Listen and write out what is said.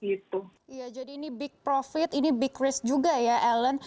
iya jadi ini big profit ini big risk juga ya ellen